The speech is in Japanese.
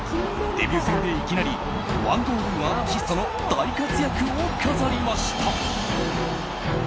デビュー戦で、いきなり１ゴール１アシストの大活躍を飾りました。